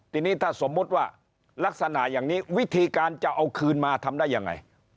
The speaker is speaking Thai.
ทีนี้ถ้าสมมุติว่าลักษณะอย่างนี้วิธีการจะเอาคืนมาทำได้ยังไง